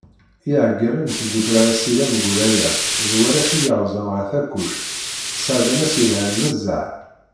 Iεeggalen n tdukkla Asirem Guraya d warrac i yerzan ɣer Takkuct, sεeddan ass yelhan nezzeh.